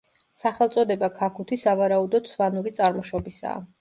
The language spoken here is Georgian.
სახელწოდება ქაქუთი სავარაუდოდ სვანური წარმოშობისაა.